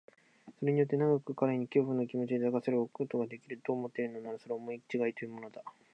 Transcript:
それによって長く彼に恐怖の気持を抱かせておくことができる、と思っているのなら、それは思いちがいというものだ。